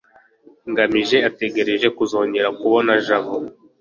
ngamije ategereje kuzongera kubona jabo